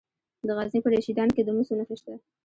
د غزني په رشیدان کې د مسو نښې شته.